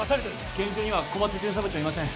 現場には小松巡査部長いません。